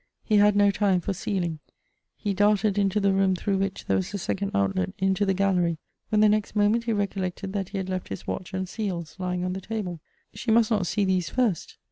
He had no time for sealing. He darted into the room through which there was a second outlet into the gallery, when the next moment he recollected that he had left his watch and seals lying on the table. She must not see these first.